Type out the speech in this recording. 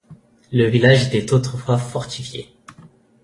Le village était autrefois fortifié.